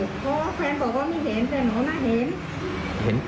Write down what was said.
เพราะว่าแฟนบอกว่าไม่เห็นแต่หนูน่าเห็น